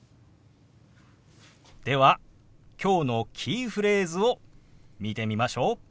ではきょうのキーフレーズを見てみましょう。